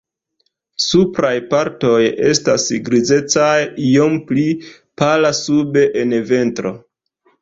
Supraj partoj estas grizecaj, iom pli pala sube en ventro.